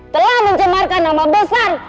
telah mencemarkan nama besar